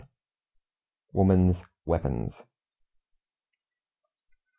WOMAN'S WEAPONS.